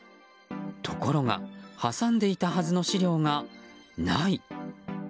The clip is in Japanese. ところが挟んでいたはずの資料がない。